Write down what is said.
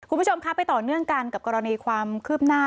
คุณผู้ชมครับไปต่อเนื่องกันกับกรณีความคืบหน้า